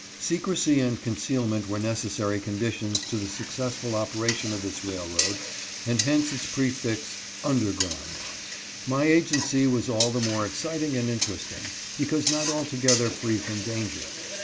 \Secrecy and concealment A TWO FORTY GAIT. 329 were necessary conditions to the successful operation of this railroad, and hence its prefix " underground." My agency was all the more exciting and interesting, because not altogether free from danger.